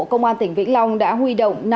công an tỉnh vĩnh long đã huy động